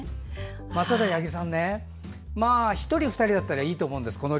八木さん１人、２人だったらこの量でもいいと思うんです。